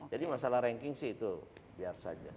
jadi masalah ranking sih itu biar saja